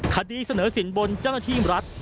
คดีเสนอสินบนเจ้าหน้าที่รัฐ